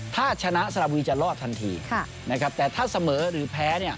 ถ้าชนะสลับบุรีจะรอดทันทีแต่ถ้าเสมอหรือแพ้